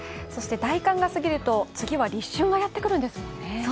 そして大寒が過ぎると次は立春がやってくるんですよね。